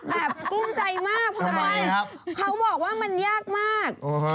แบบกุ้มใจมากพอไหมเพราะว่าเขาบอกว่ามันยากมาก